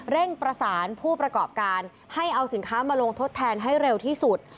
เร่งประสานผู้ประกอบการให้เอาสินค้ามาลงทดแทนให้เร็วที่สุด